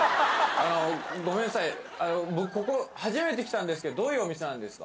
あのー、ごめんなさい僕ここ初めて来たんですけど、どういうお店なんですか。